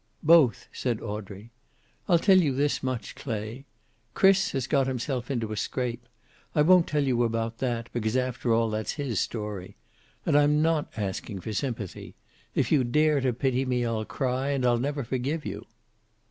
"Both," said Audrey. "I'll tell you this much, Clay. Chris has got himself into a scrape. I won't tell you about that, because after all that's his story. And I'm not asking for sympathy. If you dare to pity me I'll cry, and I'll never forgive you."